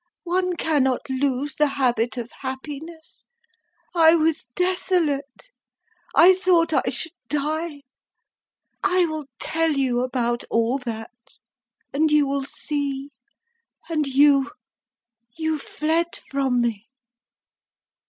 One cannot lose the habit of happiness. I was desolate. I thought I should die. I will tell you about all that and you will see. And you you fled from me!"